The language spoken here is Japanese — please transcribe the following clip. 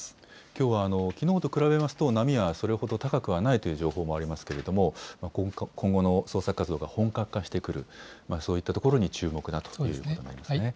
きょうはきのうと比べますと、波はそれほど高くはないという情報もありますけれども、今後の捜索活動が本格化してくる、そういったところに注目だということになりますね。